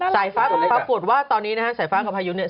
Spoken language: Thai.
สายฟ้ากับพาปฝุ่นว่าตอนนี้นะสายฟ้ากับพายุเนี่ย